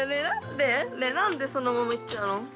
ねえ何でそのまま行っちゃうの？